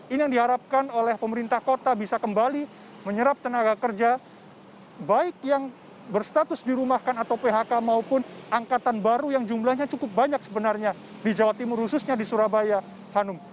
ini yang diharapkan oleh pemerintah kota bisa kembali menyerap tenaga kerja baik yang berstatus dirumahkan atau phk maupun angkatan baru yang jumlahnya cukup banyak sebenarnya di jawa timur khususnya di surabaya hanum